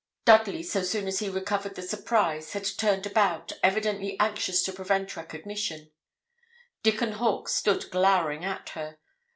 Dudley, so soon as he recovered the surprise, had turned about, evidently anxious to prevent recognition; Dickon Hawkes stood glowering at her.